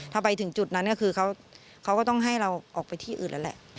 ถ้าไปถึงจุดนั้นก็คือเขาก็ต้องให้เราออกไปที่อื่นแล้วแหละ